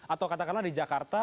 atau katakanlah di jakarta